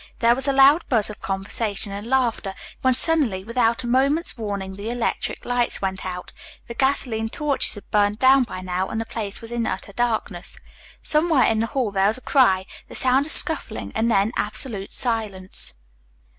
There was a loud buzz of conversation and laughter, when suddenly, without a moment's warning, the electric lights went out. The gasoline torches had burned down by now and the place was in utter darkness. Somewhere in the hall there was a cry, the sound of scuffling and then absolute silence.